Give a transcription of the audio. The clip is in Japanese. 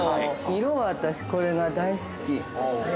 色、私、これが大好き。